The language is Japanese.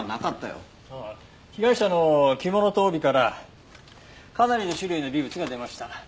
被害者の着物と帯からかなりの種類の微物が出ました。